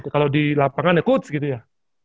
kalau di lapangan ya coach gitu ya